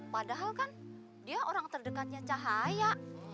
padahal kan dia orang terdekatnya cahaya